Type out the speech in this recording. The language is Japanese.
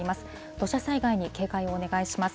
土砂災害に警戒をお願いします。